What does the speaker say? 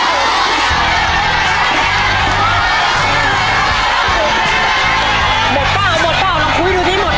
หมดเปล่าหมดเปล่าลองคุยดูที่หมดเปล่า